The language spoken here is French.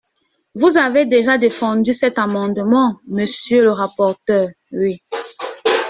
Vous avez déjà défendu cet amendement, monsieur le rapporteur… Oui.